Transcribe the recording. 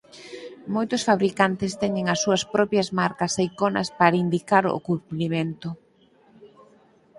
Moitos fabricantes teñen as súas propias marcas e iconas para indicar o cumprimento.